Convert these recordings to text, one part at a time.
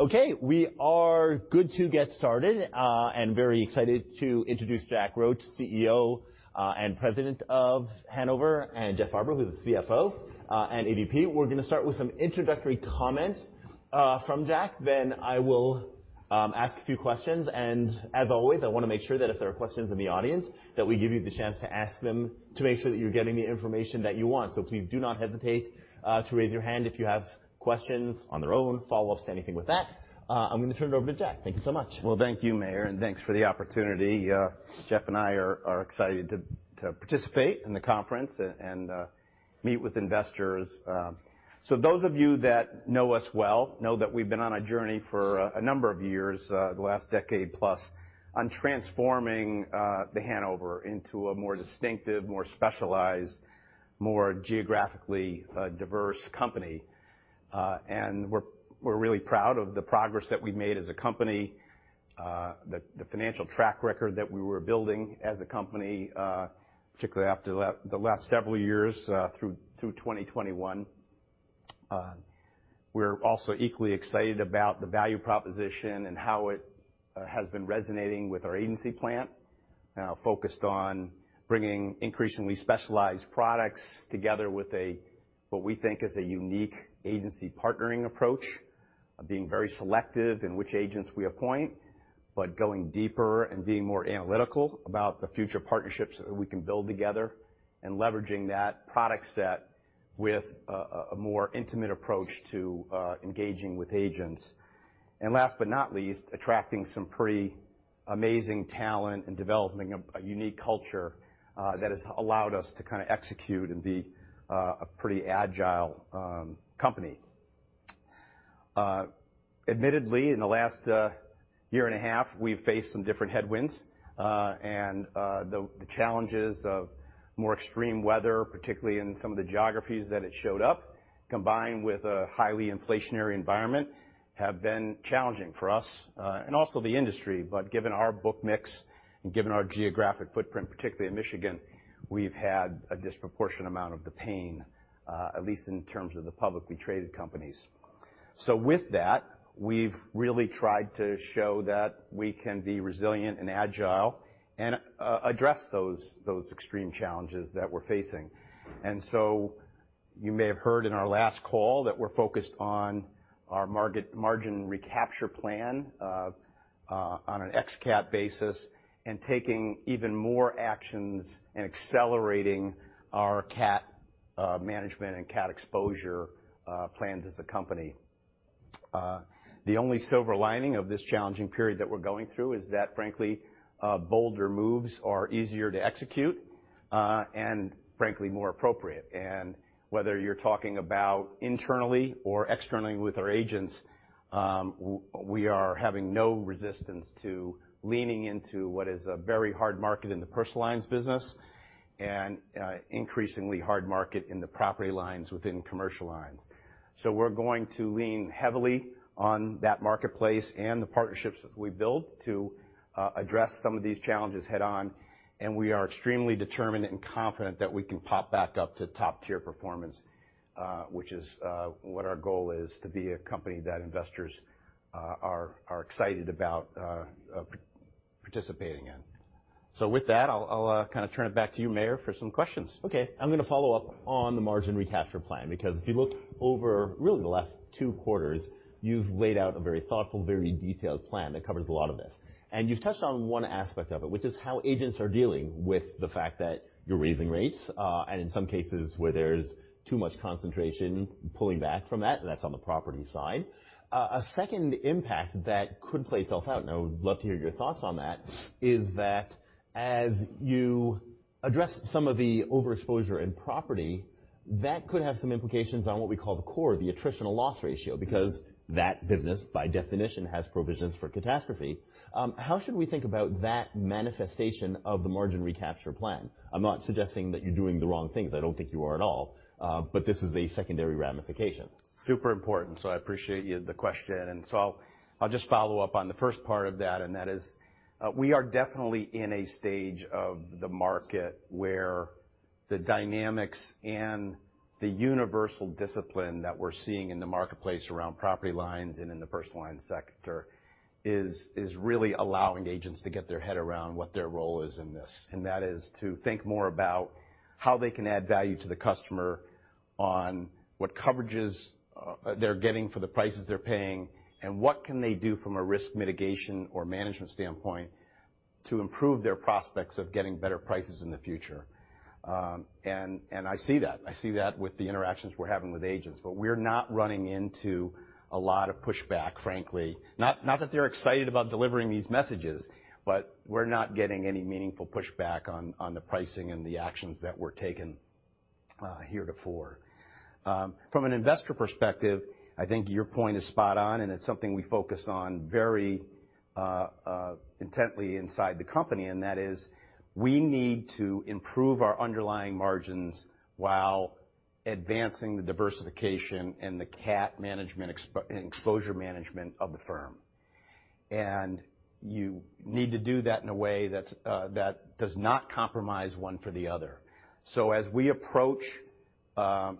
Okay, we are good to get started, and very excited to introduce Jack Roche, CEO and President of Hanover, and Jeff Farber, who's the CFO and EVP. I will ask a few questions. As always, I want to make sure that if there are questions in the audience, that we give you the chance to ask them to make sure that you're getting the information that you want. Please do not hesitate to raise your hand if you have questions on their own, follow-ups, anything with that. I'm going to turn it over to Jack. Thank you so much. Thank you, Meyer, and thanks for the opportunity. Jeff and I are excited to participate in the conference and meet with investors. Those of you that know us well know that we've been on a journey for a number of years, the last decade plus, on transforming The Hanover into a more distinctive, more specialized, more geographically diverse company. We're really proud of the progress that we've made as a company, the financial track record that we were building as a company, particularly after the last several years through 2021. We're also equally excited about the value proposition and how it has been resonating with our agency partners. We are now focused on bringing increasingly specialized products together with a, what we think is a unique agency partnering approach, of being very selective in which agents we appoint, but going deeper and being more analytical about the future partnerships that we can build together, and leveraging that product set with a more intimate approach to engaging with agents. Last but not least, attracting some pretty amazing talent and developing a unique culture that has allowed us to kind of execute and be a pretty agile company. Admittedly, in the last year and a half, we've faced some different headwinds. The challenges of more extreme weather, particularly in some of the geographies that it showed up, combined with a highly inflationary environment, have been challenging for us, and also the industry. Given our book mix and given our geographic footprint, particularly in Michigan, we've had a disproportionate amount of the pain, at least in terms of the publicly traded companies. With that, we've really tried to show that we can be resilient and agile and address those extreme challenges that we're facing. You may have heard in our last call that we're focused on our margin recapture plan on an ex-CAT basis and taking even more actions and accelerating our CAT management and CAT exposure plans as a company. The only silver lining of this challenging period that we're going through is that frankly, bolder moves are easier to execute, and frankly, more appropriate. Whether you're talking about internally or externally with our agents, we are having no resistance to leaning into what is a very hard market in the personal lines business and increasingly hard market in the property lines within commercial lines. We're going to lean heavily on that marketplace and the partnerships that we've built to address some of these challenges head on, and we are extremely determined and confident that we can pop back up to top-tier performance, which is what our goal is, to be a company that investors are excited about participating in. With that, I'll turn it back to you, Meyer, for some questions. Okay. I'm going to follow up on the margin recapture plan because if you look over really the last two quarters, you've laid out a very thoughtful, very detailed plan that covers a lot of this. You've touched on one aspect of it, which is how agents are dealing with the fact that you're raising rates, and in some cases where there's too much concentration, pulling back from that. That's on the property side. A second impact that could play itself out, and I would love to hear your thoughts on that, is that as you address some of the overexposure in property, that could have some implications on what we call the core, the attritional loss ratio, because that business, by definition, has provisions for catastrophe. How should we think about that manifestation of the margin recapture plan? I'm not suggesting that you're doing the wrong things. I don't think you are at all. This is a secondary ramification. Super important. I appreciate the question. I'll just follow up on the first part of that, and that is, we are definitely in a stage of the market where the dynamics and the universal discipline that we're seeing in the marketplace around property lines and in the Personal Lines sector is really allowing agents to get their head around what their role is in this. That is to think more about how they can add value to the customer on what coverages they're getting for the prices they're paying, and what can they do from a risk mitigation or management standpoint to improve their prospects of getting better prices in the future. I see that. I see that with the interactions we're having with agents. We're not running into a lot of pushback, frankly. Not that they are excited about delivering these messages, but we are not getting any meaningful pushback on the pricing and the actions that were taken heretofore. From an investor perspective, I think your point is spot on, and it is something we focus on very intently inside the company, and that is we need to improve our underlying margins while advancing the diversification and the CAT exposure management of the firm. You need to do that in a way that does not compromise one for the other. As we approach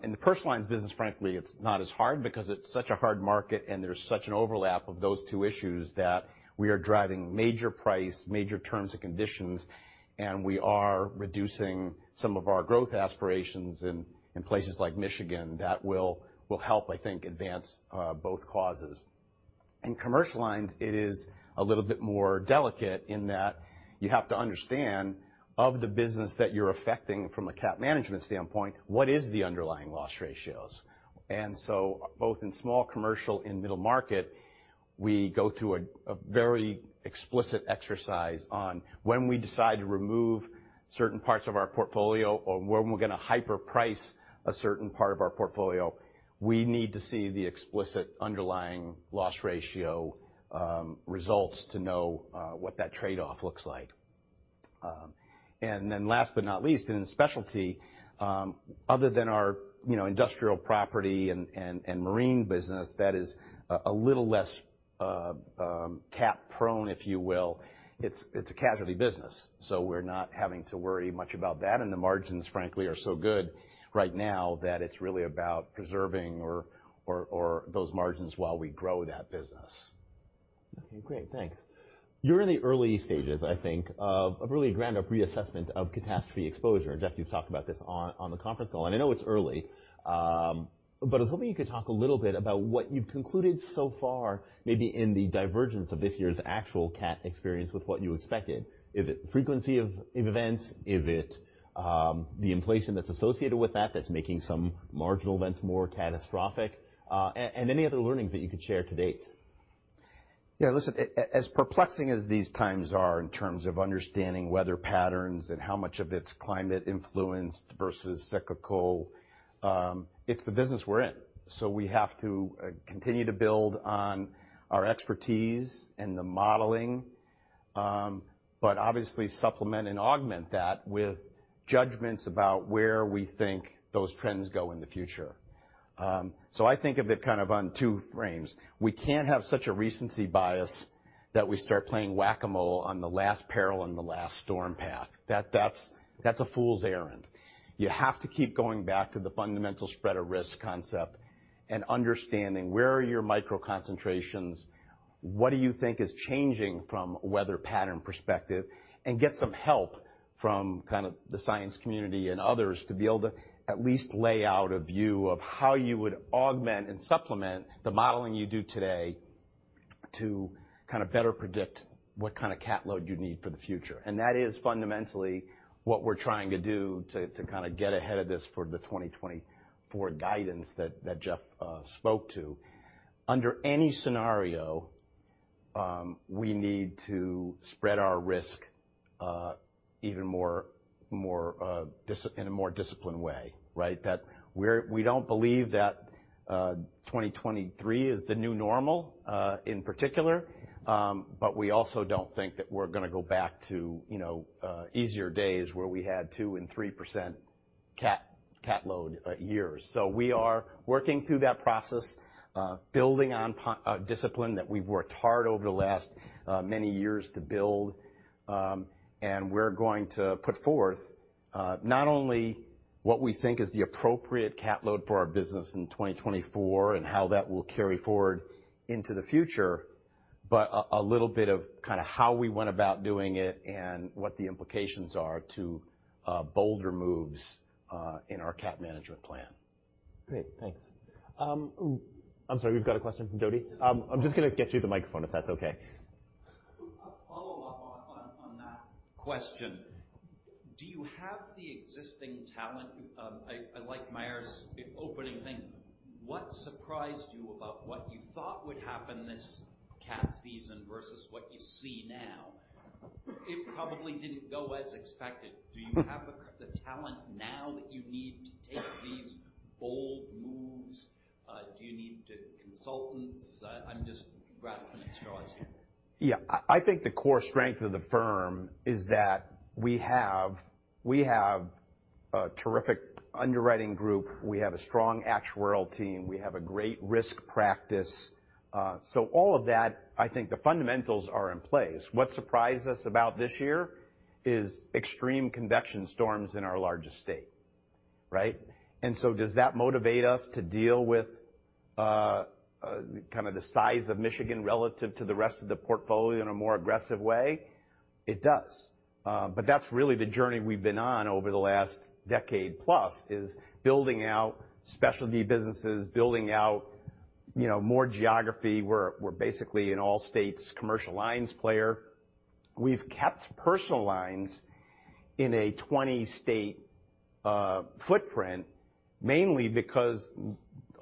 in the personal lines business, frankly, it is not as hard because it is such a hard market, and there is such an overlap of those two issues that we are driving major price, major terms and conditions, and we are reducing some of our growth aspirations in places like Michigan that will help, I think, advance both causes. In commercial lines, it is a little bit more delicate in that you have to understand of the business that you are affecting from a cat management standpoint, what is the underlying loss ratios. Both in small commercial and middle market, we go through a very explicit exercise on when we decide to remove certain parts of our portfolio or when we are going to hyper price a certain part of our portfolio. We need to see the explicit underlying loss ratio results to know what that trade-off looks like. Last but not least, in specialty other than our industrial property and marine business, that is a little less cat prone, if you will. It is a casualty business, so we are not having to worry much about that. The margins, frankly, are so good right now that it is really about preserving those margins while we grow that business. Okay, great. Thanks. You are in the early stages, I think of a really grand reassessment of catastrophe exposure. Jeff, you have talked about this on the conference call, and I know it is early. I was hoping you could talk a little bit about what you have concluded so far, maybe in the divergence of this year's actual cat experience with what you expected. Is it frequency of events? Is it the inflation that is associated with that that is making some marginal events more catastrophic? Any other learnings that you could share to date. Yeah. Listen, as perplexing as these times are in terms of understanding weather patterns and how much of it is climate influenced versus cyclical, it is the business we are in. We have to continue to build on our expertise and the modeling, but obviously supplement and augment that with judgments about where we think those trends go in the future. I think of it kind of on two frames. We cannot have such a recency bias that we start playing whack-a-mole on the last peril and the last storm path. That is a fool's errand. You have to keep going back to the fundamental spread of risk concept and understanding where are your micro concentrations, what do you think is changing from weather pattern perspective, and get some help from kind of the science community and others to be able to at least lay out a view of how you would augment and supplement the modeling you do today to kind of better predict what kind of cat load you need for the future. That is fundamentally what we're trying to do to kind of get ahead of this for the 2024 guidance that Jeff spoke to. Under any scenario, we need to spread our risk even more in a more disciplined way, right? That we don't believe that 2023 is the new normal, in particular, but we also don't think that we're going to go back to easier days where we had 2% and 3% cat load years. We are working through that process, building on discipline that we've worked hard over the last many years to build. We're going to put forth not only what we think is the appropriate cat load for our business in 2024 and how that will carry forward into the future, but a little bit of kind of how we went about doing it and what the implications are to bolder moves in our cat management plan. Great. Thanks. I'm sorry, we've got a question from Jody. I'm just going to get you the microphone, if that's okay. A follow-up on that question. Do you have the existing talent? I like Meyer's opening thing. What surprised you about what you thought would happen this cat season versus what you see now? It probably didn't go as expected. Do you have the talent now that you need to take these bold moves? Do you need consultants? I'm just grasping at straws here. Yeah. I think the core strength of the firm is that we have a terrific underwriting group. We have a strong actuarial team. We have a great risk practice. All of that, I think the fundamentals are in place. What surprised us about this year is extreme convection storms in our largest state, right? Does that motivate us to deal with kind of the size of Michigan relative to the rest of the portfolio in a more aggressive way? It does. That's really the journey we've been on over the last decade plus, is building out specialty businesses, building out more geography. We're basically an all-states commercial lines player. We've kept personal lines in a 20-state footprint, mainly because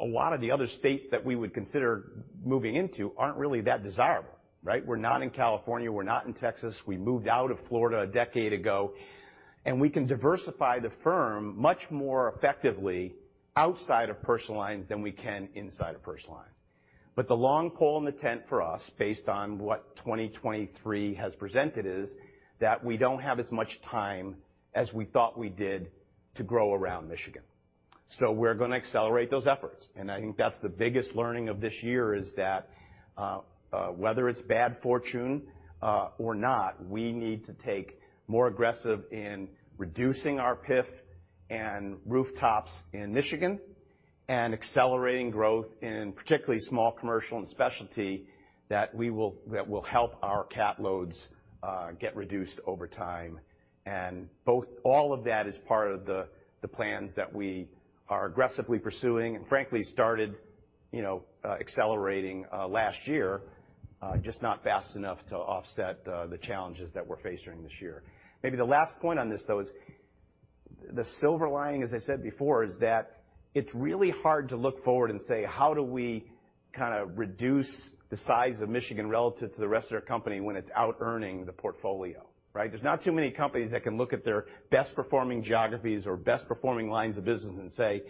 a lot of the other states that we would consider moving into aren't really that desirable, right? We're not in California. We're not in Texas. We moved out of Florida a decade ago. We can diversify the firm much more effectively outside of personal lines than we can inside of personal lines. The long pole in the tent for us, based on what 2023 has presented, is that we don't have as much time as we thought we did to grow around Michigan. We're going to accelerate those efforts. I think that's the biggest learning of this year, is that whether it's bad fortune or not, we need to take more aggressive in reducing our PIF and rooftops in Michigan and accelerating growth in particularly small commercial and specialty that will help our cat loads get reduced over time. All of that is part of the plans that we are aggressively pursuing and frankly started accelerating last year, just not fast enough to offset the challenges that we're facing this year. Maybe the last point on this, though, is the silver lining, as I said before, is that it's really hard to look forward and say, how do we reduce the size of Michigan relative to the rest of their company when it's out-earning the portfolio, right? There's not too many companies that can look at their best performing geographies or best performing lines of business and say,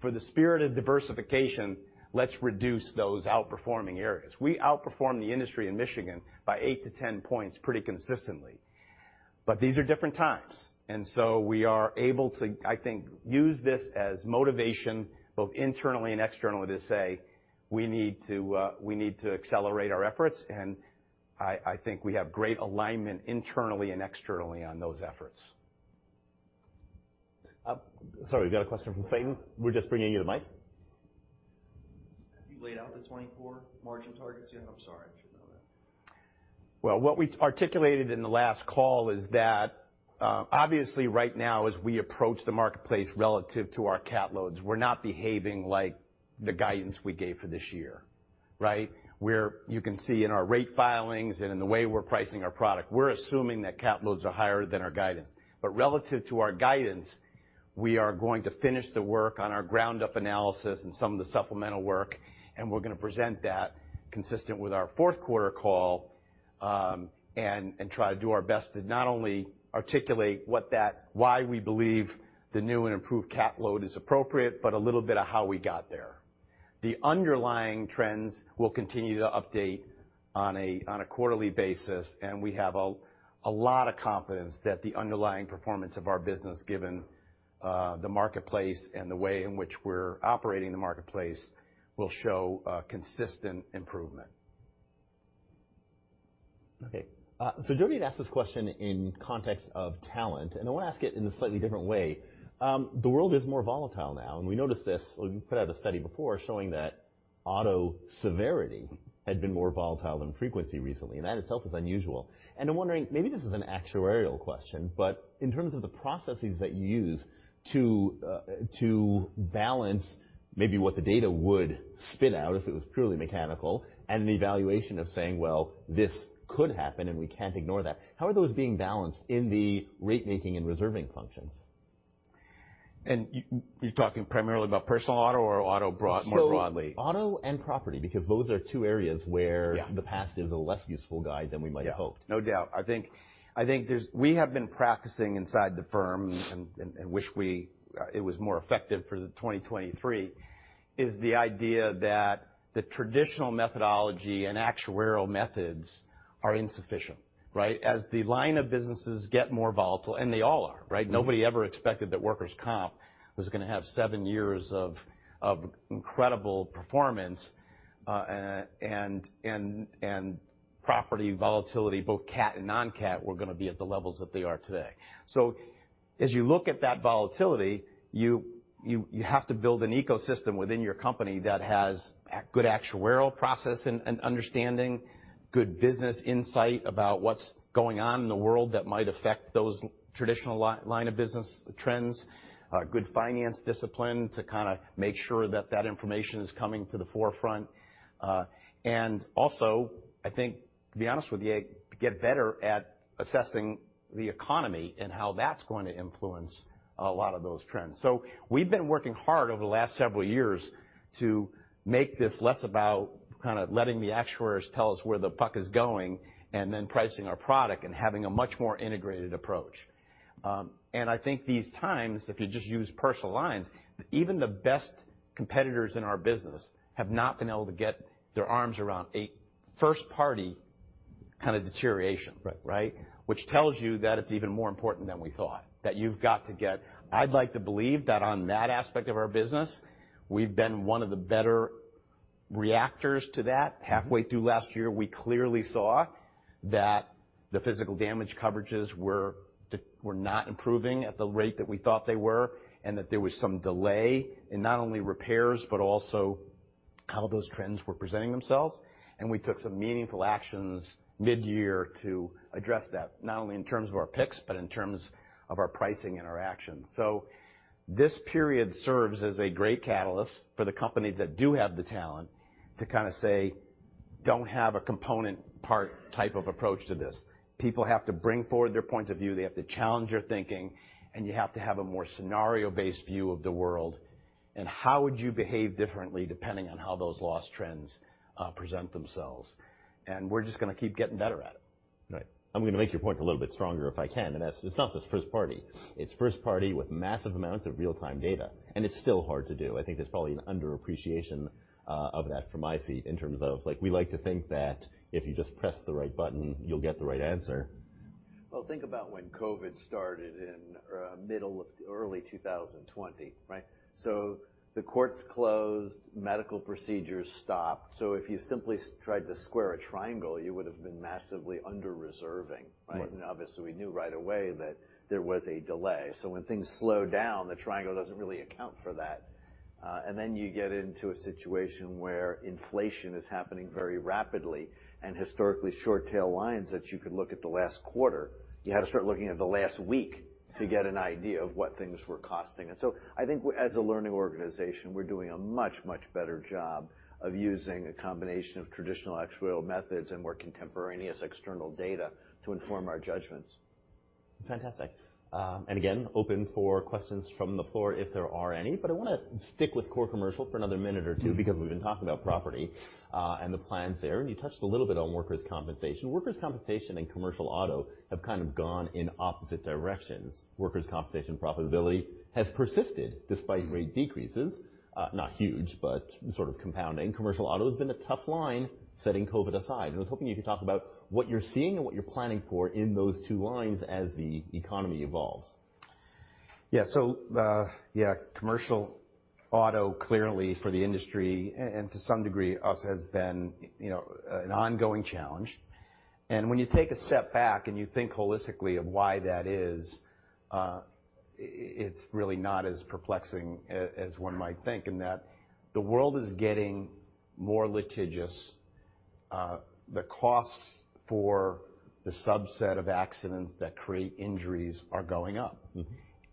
"For the spirit of diversification, let's reduce those outperforming areas." We outperform the industry in Michigan by 8 to 10 points pretty consistently, but these are different times. We are able to, I think, use this as motivation, both internally and externally, to say, we need to accelerate our efforts, and I think we have great alignment internally and externally on those efforts. Sorry, we got a question from Clayton. We're just bringing you the mic. Have you laid out the 2024 margin targets yet? I'm sorry. I should know that. What we articulated in the last call is that obviously right now, as we approach the marketplace relative to our cat loads, we're not behaving like the guidance we gave for this year, right? You can see in our rate filings and in the way we're pricing our product, we're assuming that cat loads are higher than our guidance. Relative to our guidance, we are going to finish the work on our ground-up analysis and some of the supplemental work, and we're going to present that consistent with our fourth quarter call, and try to do our best to not only articulate why we believe the new and improved cat load is appropriate, but a little bit of how we got there. The underlying trends we'll continue to update on a quarterly basis, and we have a lot of confidence that the underlying performance of our business, given the marketplace and the way in which we're operating the marketplace, will show consistent improvement. Okay. Jody had asked this question in context of talent, and I want to ask it in a slightly different way. The world is more volatile now, and we noticed this when you put out a study before showing that auto severity had been more volatile than frequency recently, and that itself is unusual. I'm wondering, maybe this is an actuarial question, but in terms of the processes that you use to balance maybe what the data would spit out if it was purely mechanical, and an evaluation of saying, "Well, this could happen, and we can't ignore that." How are those being balanced in the rate making and reserving functions? You're talking primarily about personal auto or auto more broadly? Auto and property, because those are two areas where Yeah the past is a less useful guide than we might have hoped. No doubt. I think we have been practicing inside the firm, and wish it was more effective for 2023, is the idea that the traditional methodology and actuarial methods are insufficient, right? The line of businesses get more volatile, and they all are, right? Nobody ever expected that workers' comp was going to have seven years of incredible performance, and property volatility, both cat and non-cat, were going to be at the levels that they are today. As you look at that volatility, you have to build an ecosystem within your company that has good actuarial process and understanding, good business insight about what's going on in the world that might affect those traditional line of business trends, good finance discipline to kind of make sure that that information is coming to the forefront. Also, I think, to be honest with you, get better at assessing the economy and how that's going to influence a lot of those trends. We've been working hard over the last several years to make this less about kind of letting the actuaries tell us where the puck is going and then pricing our product and having a much more integrated approach. I think these times, if you just use personal lines, even the best competitors in our business have not been able to get their arms around a first party kind of deterioration. Right. Right? Which tells you that it's even more important than we thought. I'd like to believe that on that aspect of our business, we've been one of the better reactors to that. Halfway through last year, we clearly saw that the physical damage coverages were not improving at the rate that we thought they were, and that there was some delay in not only repairs, but also how those trends were presenting themselves. We took some meaningful actions mid-year to address that, not only in terms of our picks, but in terms of our pricing and our actions. This period serves as a great catalyst for the companies that do have the talent to kind of say, "Don't have a component part type of approach to this." People have to bring forward their points of view, they have to challenge their thinking, and you have to have a more scenario-based view of the world and how would you behave differently depending on how those loss trends present themselves. We're just going to keep getting better at it. Right. I'm going to make your point a little bit stronger if I can. It's not just first party. It's first party with massive amounts of real-time data, and it's still hard to do. I think there's probably an underappreciation of that from my seat in terms of we like to think that if you just press the right button, you'll get the right answer. Think about when COVID started in early 2020, right? The courts closed, medical procedures stopped. If you simply tried to square a triangle, you would've been massively under-reserving, right? Obviously, we knew right away that there was a delay. When things slow down, the triangle doesn't really account for that. You get into a situation where inflation is happening very rapidly, and historically short tail lines that you could look at the last quarter, you had to start looking at the last week to get an idea of what things were costing. I think as a learning organization, we're doing a much, much better job of using a combination of traditional actuarial methods and more contemporaneous external data to inform our judgments. Fantastic. Again, open for questions from the floor if there are any. I want to stick with core commercial for another minute or two because we've been talking about property, and the plans there. You touched a little bit on workers' compensation. Workers' compensation and commercial auto have kind of gone in opposite directions. Workers' compensation profitability has persisted despite rate decreases, not huge, but sort of compounding. Commercial auto has been a tough line, setting COVID aside. I was hoping you could talk about what you're seeing and what you're planning for in those two lines as the economy evolves. Yeah. Commercial auto clearly for the industry and to some degree us, has been an ongoing challenge. When you take a step back and you think holistically of why that is, it's really not as perplexing as one might think in that the world is getting more litigious. The costs for the subset of accidents that create injuries are going up.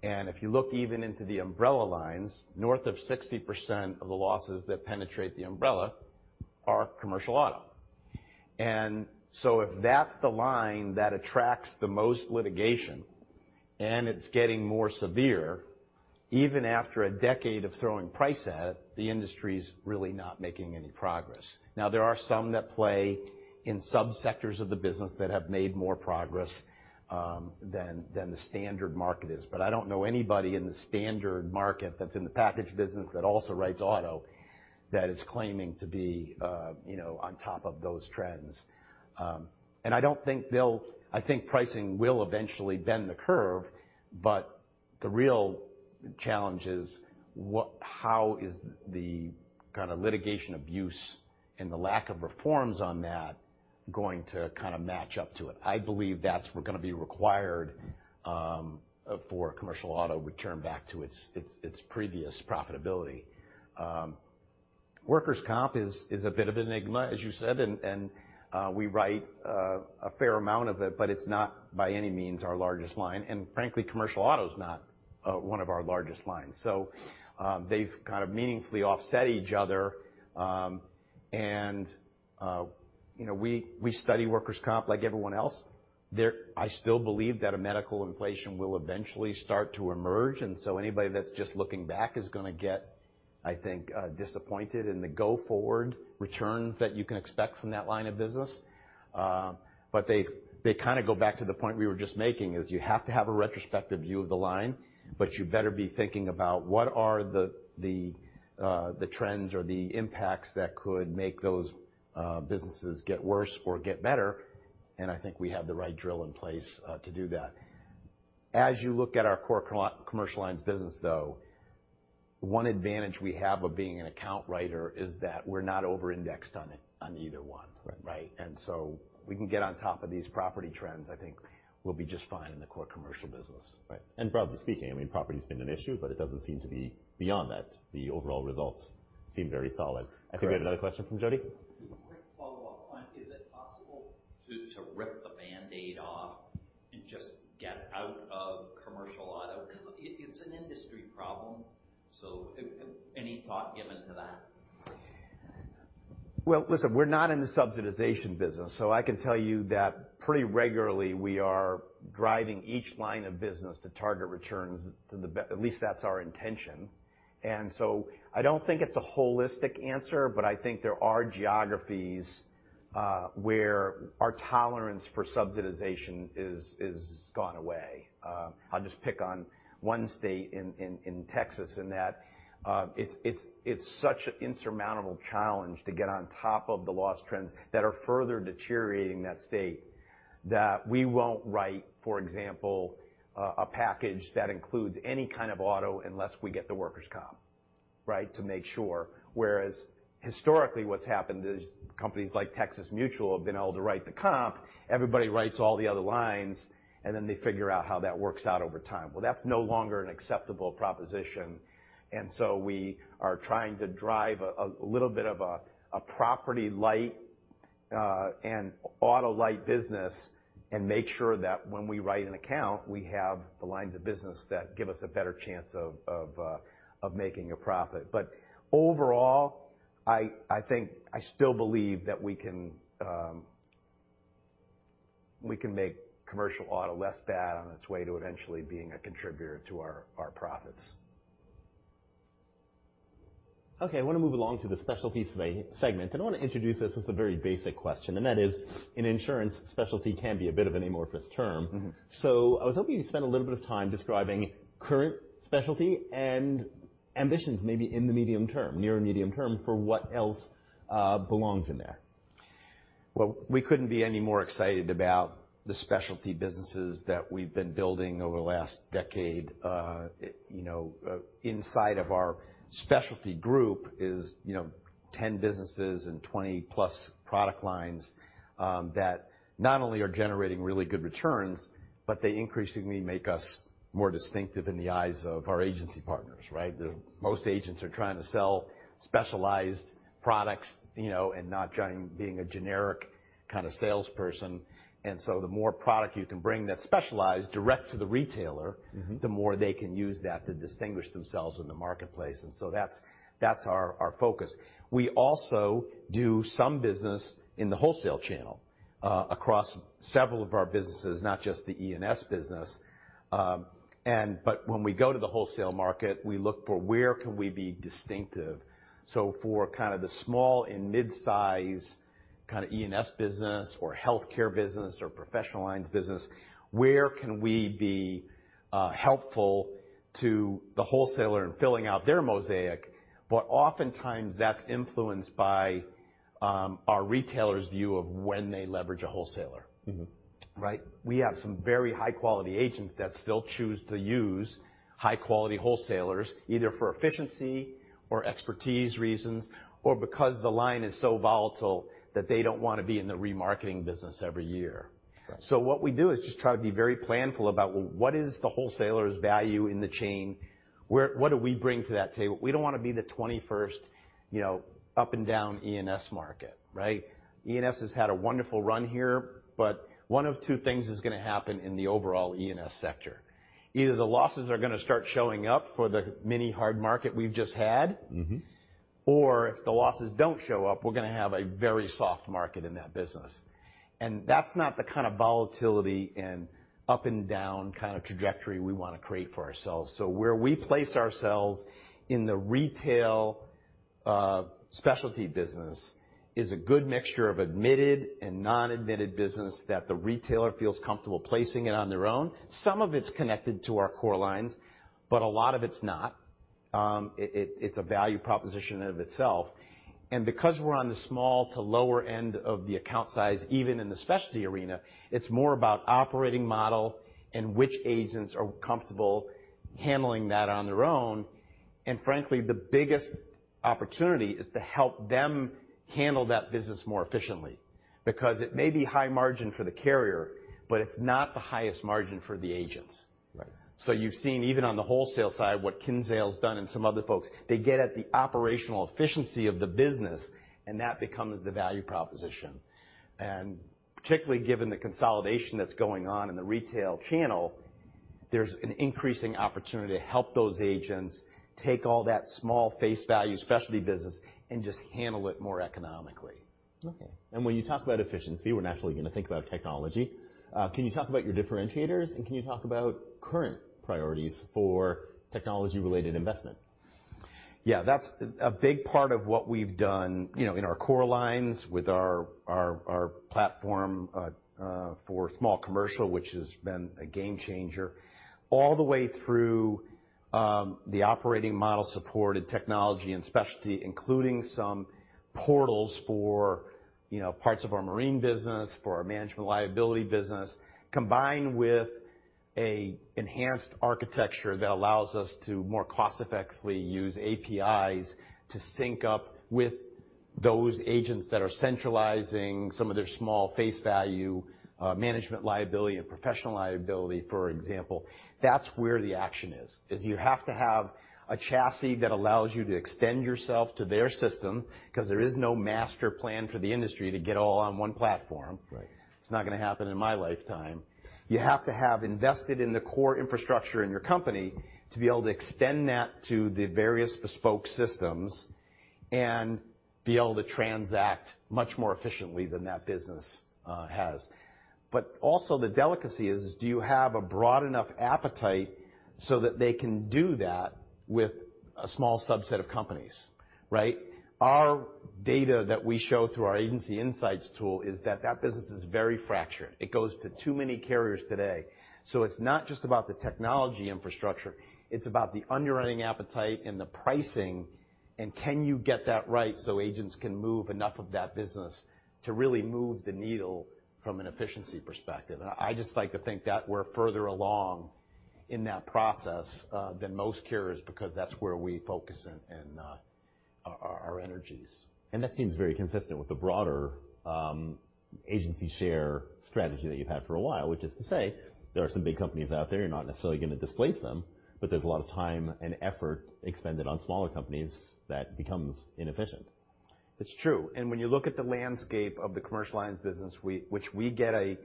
If you look even into the umbrella lines, north of 60% of the losses that penetrate the umbrella are commercial auto. If that's the line that attracts the most litigation and it's getting more severe, even after a decade of throwing price at it, the industry's really not making any progress. Now, there are some that play in sub-sectors of the business that have made more progress than the standard market is. I don't know anybody in the standard market that's in the package business that also writes auto that is claiming to be on top of those trends. I think pricing will eventually bend the curve, but the real challenge is how is the kind of litigation abuse and the lack of reforms on that going to kind of match up to it? I believe that's going to be required for commercial auto return back to its previous profitability. Workers' comp is a bit of enigma, as you said, and we write a fair amount of it, but it's not by any means our largest line. Frankly, commercial auto is not one of our largest lines. They've kind of meaningfully offset each other, and we study workers' comp like everyone else. I still believe that a medical inflation will eventually start to emerge, and so anybody that's just looking back is going to get, I think, disappointed in the go forward returns that you can expect from that line of business. They kind of go back to the point we were just making, is you have to have a retrospective view of the line, but you better be thinking about what are the trends or the impacts that could make those businesses get worse or get better. I think we have the right drill in place to do that. As you look at our core commercial lines business, though, one advantage we have of being an account writer is that we're not over-indexed on either one. Right. Right? We can get on top of these property trends, I think we'll be just fine in the core commercial business. Right. Broadly speaking, property's been an issue, but it doesn't seem to be beyond that. The overall results seem very solid. Correct. I think we have another question from Jody. Quick follow-up on, is it possible to rip the Band-Aid off and just get out of commercial auto? It's an industry problem, so any thought given to that? Well, listen, we're not in the subsidization business. I can tell you that pretty regularly we are driving each line of business to target returns, at least that's our intention. I don't think it's a holistic answer, but I think there are geographies where our tolerance for subsidization has gone away. I'll just pick on one state in Texas in that it's such an insurmountable challenge to get on top of the loss trends that are further deteriorating that state, that we won't write, for example, a package that includes any kind of auto unless we get the workers' comp to make sure. Whereas historically what's happened is companies like Texas Mutual have been able to write the comp. Everybody writes all the other lines. They figure out how that works out over time. Well, that's no longer an acceptable proposition. We are trying to drive a little bit of a property light, and auto light business and make sure that when we write an account, we have the lines of business that give us a better chance of making a profit. Overall, I still believe that we can make commercial auto less bad on its way to eventually being a contributor to our profits. Okay. I want to move along to the specialty segment. I want to introduce this with a very basic question, and that is, in insurance, specialty can be a bit of an amorphous term. I was hoping you'd spend a little bit of time describing current specialty and ambitions, maybe in the medium term, near medium term, for what else belongs in there. Well, we couldn't be any more excited about the specialty businesses that we've been building over the last decade. Inside of our specialty group is 10 businesses and 20 plus product lines that not only are generating really good returns, but they increasingly make us more distinctive in the eyes of our agency partners, right? Most agents are trying to sell specialized products, not trying being a generic kind of salesperson. The more product you can bring that's specialized direct to the retailer- The more they can use that to distinguish themselves in the marketplace. That's our focus. We also do some business in the wholesale channel, across several of our businesses, not just the E&S business. When we go to the wholesale market, we look for where can we be distinctive. For kind of the small and mid-size kind of E&S business or healthcare business or professional lines business, where can we be helpful to the wholesaler in filling out their mosaic? Oftentimes, that's influenced by our retailers' view of when they leverage a wholesaler. Right? We have some very high-quality agents that still choose to use high-quality wholesalers, either for efficiency or expertise reasons, or because the line is so volatile that they don't want to be in the remarketing business every year. Right. What we do is just try to be very planful about well, what is the wholesaler's value in the chain? What do we bring to that table? We don't want to be the 21st up and down E&S market, right? E&S has had a wonderful run here, but one of two things is going to happen in the overall E&S sector. Either the losses are going to start showing up for the mini hard market we've just had. If the losses don't show up, we're going to have a very soft market in that business. That's not the kind of volatility and up and down kind of trajectory we want to create for ourselves. Where we place ourselves in the retail specialty business is a good mixture of admitted and non-admitted business that the retailer feels comfortable placing it on their own. Some of it's connected to our core lines, but a lot of it's not. It's a value proposition in and of itself. Because we're on the small to lower end of the account size, even in the specialty arena, it's more about operating model and which agents are comfortable handling that on their own. Frankly, the biggest opportunity is to help them handle that business more efficiently, because it may be high margin for the carrier, but it's not the highest margin for the agents. Right. You've seen even on the wholesale side, what Kinsale's done and some other folks, they get at the operational efficiency of the business, and that becomes the value proposition. Particularly given the consolidation that's going on in the retail channel, there's an increasing opportunity to help those agents take all that small face value specialty business and just handle it more economically. Okay. When you talk about efficiency, we're naturally going to think about technology. Can you talk about your differentiators, and can you talk about current priorities for technology related investment? Yeah. That's a big part of what we've done in our core lines with our platform for small commercial, which has been a game changer, all the way through the operating model support and technology and specialty, including some portals for parts of our marine business, for our management liability business, combined with an enhanced architecture that allows us to more cost effectively use APIs to sync up with those agents that are centralizing some of their small face value management liability and professional liability, for example. That's where the action is you have to have a chassis that allows you to extend yourself to their system because there is no master plan for the industry to get all on one platform. Right. It's not going to happen in my lifetime. You have to have invested in the core infrastructure in your company to be able to extend that to the various bespoke systems and be able to transact much more efficiently than that business has. Also the delicacy is do you have a broad enough appetite so that they can do that with a small subset of companies, right? Our data that we show through our Agency Insights tool is that that business is very fractured. It goes to too many carriers today. It's not just about the technology infrastructure, it's about the underwriting appetite and the pricing, and can you get that right so agents can move enough of that business to really move the needle from an efficiency perspective. I'd just like to think that we're further along in that process than most carriers because that's where we focus and our energies. That seems very consistent with the broader agency share strategy that you've had for a while, which is to say there are some big companies out there, you're not necessarily going to displace them, but there's a lot of time and effort expended on smaller companies that becomes inefficient. It's true. When you look at the landscape of the commercial lines business which we get I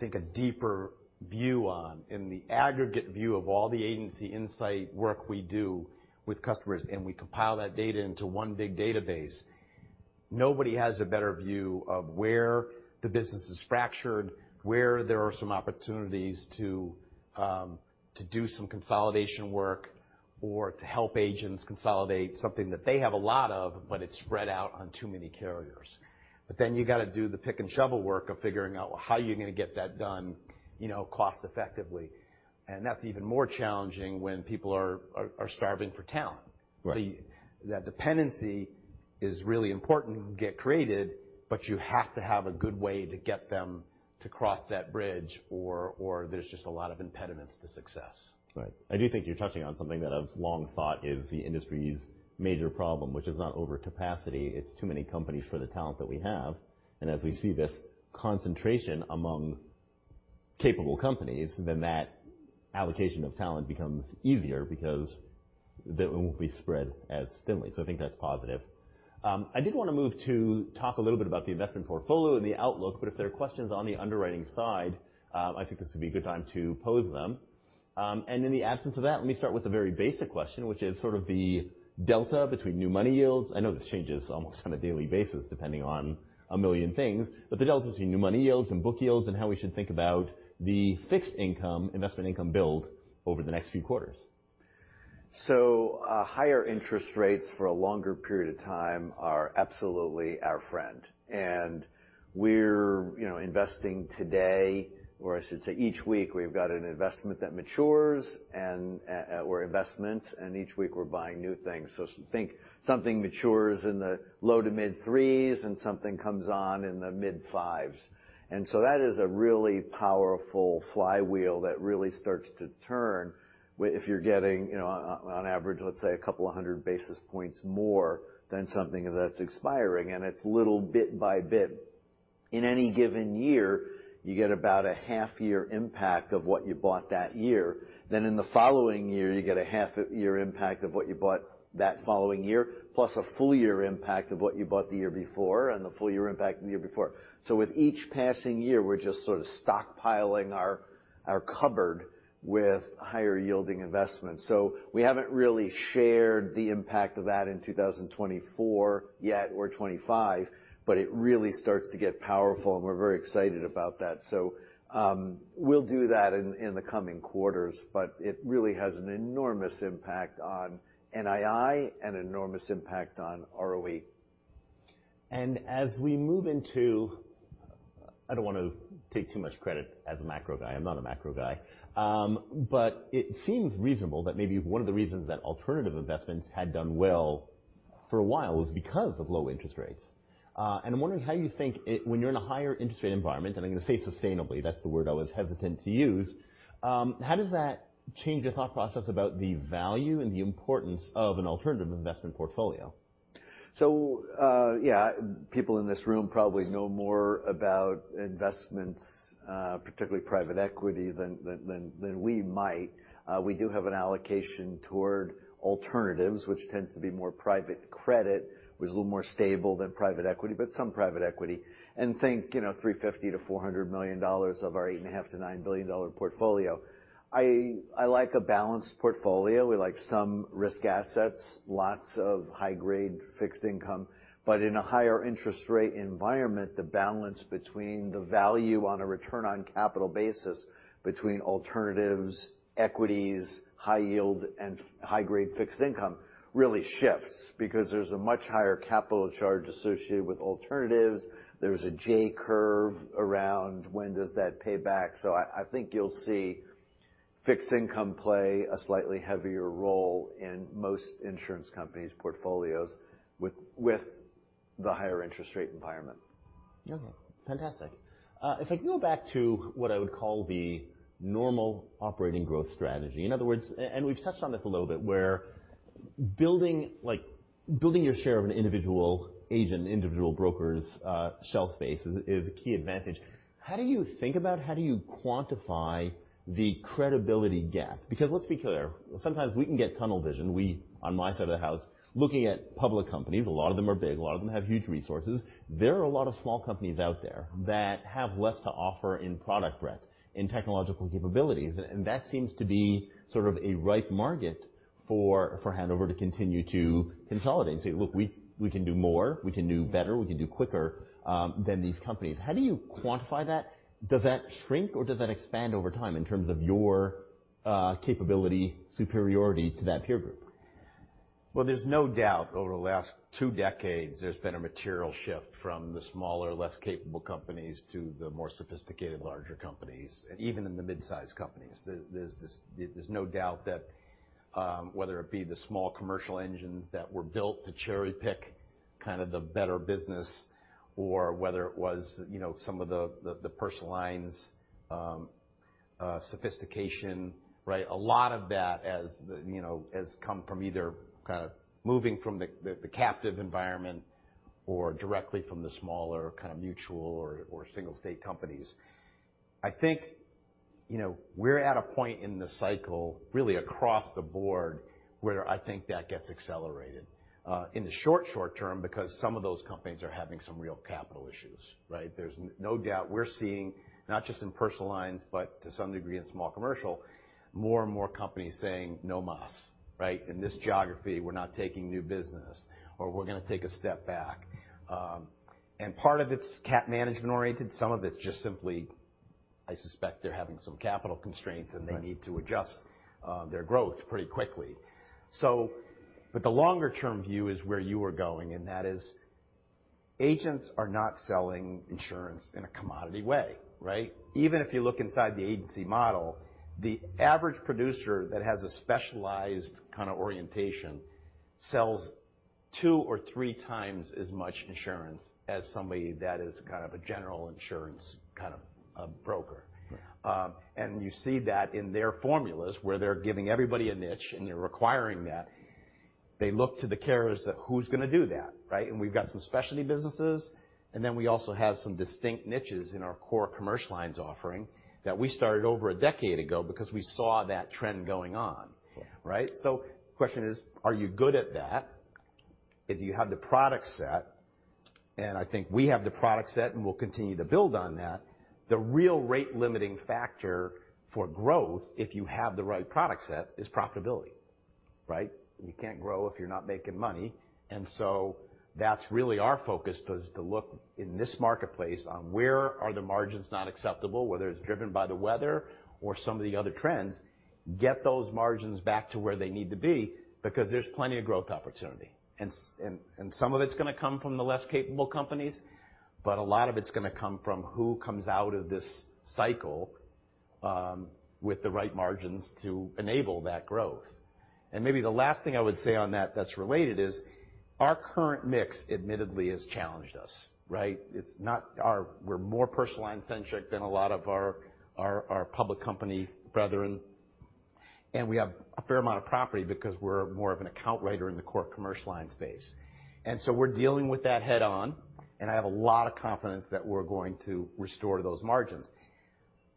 think a deeper view on in the aggregate view of all the agency insight work we do with customers, and we compile that data into one big database. Nobody has a better view of where the business is fractured, where there are some opportunities to do some consolidation work or to help agents consolidate something that they have a lot of, but it's spread out on too many carriers. Then you got to do the pick and shovel work of figuring out, well, how are you going to get that done cost effectively? That's even more challenging when people are striving for talent. Right. That dependency is really important to get created, but you have to have a good way to get them to cross that bridge, or there's just a lot of impediments to success. Right. I do think you're touching on something that I've long thought is the industry's major problem, which is not overcapacity, it's too many companies for the talent that we have. As we see this concentration among capable companies, then that allocation of talent becomes easier because they won't be spread as thinly. I think that's positive. I did want to move to talk a little bit about the investment portfolio and the outlook, but if there are questions on the underwriting side, I think this would be a good time to pose them. In the absence of that, let me start with a very basic question, which is sort of the delta between new money yields. I know this changes almost on a daily basis, depending on 1 million things, the delta between new money yields and book yields and how we should think about the fixed income, investment income build over the next few quarters. Higher interest rates for a longer period of time are absolutely our friend. We're investing today, or I should say each week, we've got an investment that matures and/or investments, each week we're buying new things. Think something matures in the low to mid threes and something comes on in the mid fives. That is a really powerful flywheel that really starts to turn if you're getting, on average, let's say a couple of 100 basis points more than something that's expiring, and it's little bit by bit. In any given year, you get about a half-year impact of what you bought that year. In the following year, you get a half-year impact of what you bought that following year, plus a full-year impact of what you bought the year before, and the full-year impact the year before. With each passing year, we're just sort of stockpiling our cupboard with higher-yielding investments. We haven't really shared the impact of that in 2024 yet or 2025, it really starts to get powerful, and we're very excited about that. We'll do that in the coming quarters, it really has an enormous impact on NII and an enormous impact on ROE. As we move into-- I don't want to take too much credit as a macro guy. I'm not a macro guy. It seems reasonable that maybe one of the reasons that alternative investments had done well for a while was because of low interest rates. I'm wondering how you think when you're in a higher interest rate environment, and I'm going to say sustainably, that's the word I was hesitant to use, how does that change your thought process about the value and the importance of an alternative investment portfolio? Yeah, people in this room probably know more about investments, particularly private equity, than we might. We do have an allocation toward alternatives, which tends to be more private credit, was a little more stable than private equity, but some private equity. Think $350 million-$400 million of our $8.5 billion-$9 billion portfolio. I like a balanced portfolio. We like some risk assets, lots of high-grade fixed income. In a higher interest rate environment, the balance between the value on a return on capital basis between alternatives, equities, high yield, and high-grade fixed income really shifts because there's a much higher capital charge associated with alternatives. There's a J-curve around when does that pay back. I think you'll see fixed income play a slightly heavier role in most insurance companies' portfolios with the higher interest rate environment. Okay, fantastic. If I go back to what I would call the normal operating growth strategy, in other words, and we've touched on this a little bit, where building your share of an individual agent, individual broker's shelf space is a key advantage. How do you think about, how do you quantify the credibility gap? Because let's be clear, sometimes we can get tunnel vision. We, on my side of the house, looking at public companies, a lot of them are big, a lot of them have huge resources. There are a lot of small companies out there that have less to offer in product breadth, in technological capabilities, and that seems to be sort of a ripe market for Hanover to continue to consolidate and say, "Look, we can do more, we can do better, we can do quicker than these companies." How do you quantify that? Does that shrink, or does that expand over time in terms of your capability superiority to that peer group? Well, there's no doubt over the last two decades, there's been a material shift from the smaller, less capable companies to the more sophisticated, larger companies, even in the midsize companies. There's no doubt that whether it be the small commercial engines that were built to cherry-pick kind of the better business or whether it was some of the personal lines' sophistication, right? A lot of that has come from either kind of moving from the captive environment or directly from the smaller kind of mutual or single-state companies. I think we're at a point in the cycle, really across the board, where I think that gets accelerated. In the short term, because some of those companies are having some real capital issues, right? There's no doubt we're seeing, not just in personal lines, but to some degree in small commercial, more and more companies saying, "No mas." Right? In this geography, we're not taking new business, or we're going to take a step back." Part of it's CAT management oriented, some of it's just simply, I suspect they're having some capital constraints, and they need to adjust their growth pretty quickly. The longer-term view is where you are going, and that is- Agents are not selling insurance in a commodity way, right? Even if you look inside the agency model, the average producer that has a specialized kind of orientation sells two or three times as much insurance as somebody that is a general insurance broker. Right. You see that in their formulas, where they're giving everybody a niche, and they're requiring that. They look to the carriers that, who's going to do that, right? We've got some specialty businesses, and then we also have some distinct niches in our core commercial lines offering that we started over a decade ago because we saw that trend going on. Yeah. Right? The question is, are you good at that? Do you have the product set? I think we have the product set, and we'll continue to build on that. The real rate-limiting factor for growth, if you have the right product set, is profitability, right? You can't grow if you're not making money. That's really our focus, is to look in this marketplace on where are the margins not acceptable, whether it's driven by the weather or some of the other trends. Get those margins back to where they need to be, because there's plenty of growth opportunity. Some of it's going to come from the less capable companies, a lot of it's going to come from who comes out of this cycle with the right margins to enable that growth. Maybe the last thing I would say on that that's related is our current mix admittedly has challenged us, right? We're more personal lines centric than a lot of our public company brethren. We have a fair amount of property because we're more of an account writer in the core commercial lines space. We're dealing with that head on, and I have a lot of confidence that we're going to restore those margins.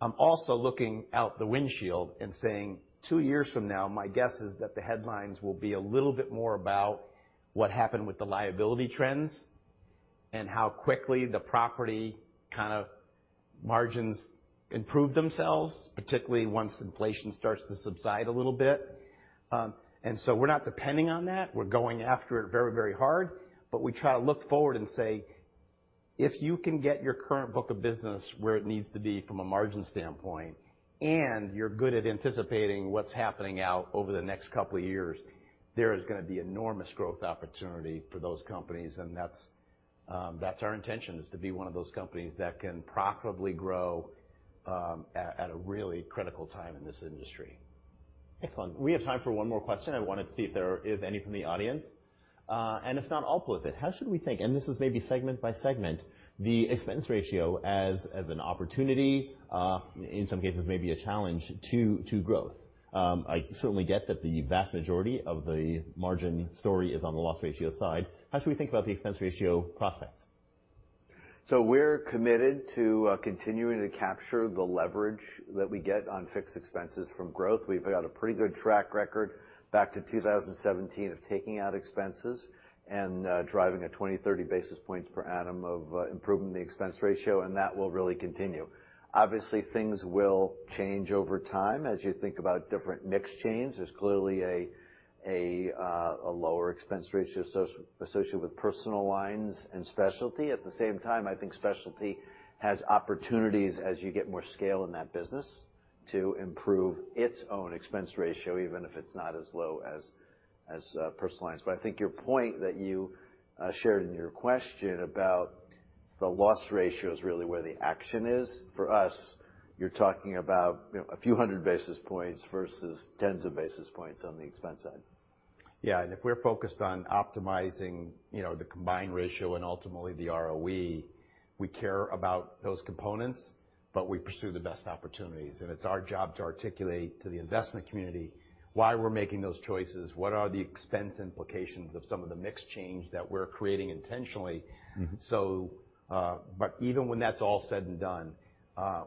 I'm also looking out the windshield and saying, 2 years from now, my guess is that the headlines will be a little bit more about what happened with the liability trends and how quickly the property kind of margins improved themselves, particularly once inflation starts to subside a little bit. We're not depending on that. We're going after it very hard. We try to look forward and say, if you can get your current book of business where it needs to be from a margin standpoint, and you're good at anticipating what's happening out over the next couple of years, there is going to be enormous growth opportunity for those companies. That's our intention is to be one of those companies that can profitably grow at a really critical time in this industry. Excellent. We have time for one more question. I wanted to see if there is any from the audience. If not, I'll pose it. How should we think, and this is maybe segment by segment, the expense ratio as an opportunity, in some cases maybe a challenge, to growth? I certainly get that the vast majority of the margin story is on the loss ratio side. How should we think about the expense ratio prospects? We're committed to continuing to capture the leverage that we get on fixed expenses from growth. We've got a pretty good track record back to 2017 of taking out expenses and driving a 20, 30 basis points per annum of improving the expense ratio, that will really continue. Obviously, things will change over time as you think about different mix change. There's clearly a lower expense ratio associated with personal lines and specialty. At the same time, I think specialty has opportunities as you get more scale in that business to improve its own expense ratio, even if it's not as low as personal lines. I think your point that you shared in your question about the loss ratio is really where the action is. For us, you're talking about a few hundred basis points versus tens of basis points on the expense side. If we're focused on optimizing the combined ratio and ultimately the ROE, we care about those components, but we pursue the best opportunities. It's our job to articulate to the investment community why we're making those choices, what are the expense implications of some of the mix change that we're creating intentionally. Even when that's all said and done,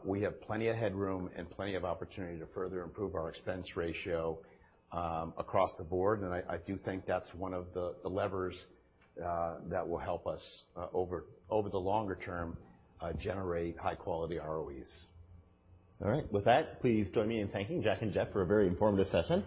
we have plenty of headroom and plenty of opportunity to further improve our expense ratio across the board. I do think that's one of the levers that will help us over the longer term, generate high-quality ROEs. All right. With that, please join me in thanking Jack and Jeff for a very informative session.